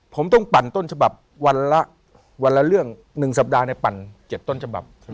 ผมต้องปั่นต้นฉบับวันละวันละเรื่อง๑สัปดาห์ในปั่น๗ต้นฉบับ